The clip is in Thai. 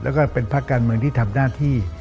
แล้วก็เป็นภาคการเมืองที่ทำหน้าที่